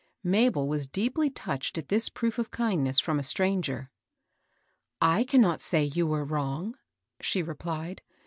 Mabel was deeply touched at this proof of kind ness firom a stranger. "I cannot say you were wrong," she replied.